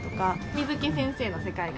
水木先生の世界観。